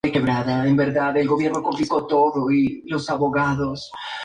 Ideal para buceo, windsurf y snorkel entre otras actividades marinas.